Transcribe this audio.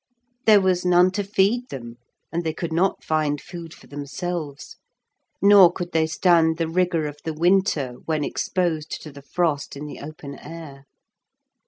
There was none to feed them, and they could not find food for themselves, nor could they stand the rigour of the winter when exposed to the frost in the open air.